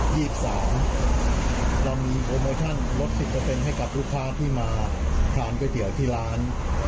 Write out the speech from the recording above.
เรามีโอเมอร์ชั่นลด๑๐ให้กับลูกค้าที่มาทานก๋วยเตี๋ยวที่ร้าน